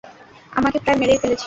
আমাকে প্রায় মেরেই ফেলেছিলে!